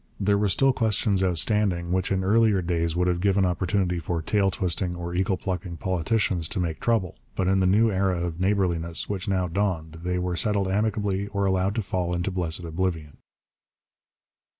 There were still questions outstanding which in earlier days would have given opportunity for tail twisting or eagle plucking politicians to make trouble, but in the new era of neighbourliness which now dawned they were settled amicably or allowed to fall into blessed oblivion.